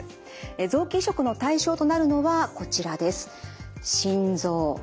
臓器移植の対象となるのはこちらです。